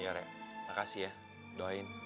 ya rek makasih ya doain